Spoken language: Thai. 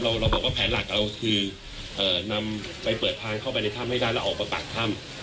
เราบอกว่าแผนหลักเราคือนำไปเปิดทางเข้าไปในถ้ำให้ได้แล้วออกมาปากถ้ำ